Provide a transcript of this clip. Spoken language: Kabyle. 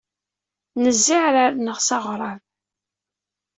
Nezzi iɛrar-nneɣ s aɣrab.